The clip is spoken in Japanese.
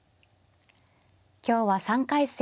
今日は３回戦